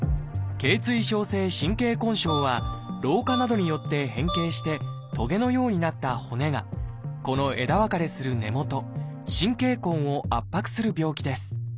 頚椎症性神経根症は老化などによって変形してトゲのようになった骨がこの枝分かれする根元「神経根」を圧迫する病気です。